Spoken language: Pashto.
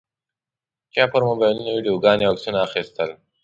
چا پر موبایلونو ویډیوګانې او عکسونه اخیستل.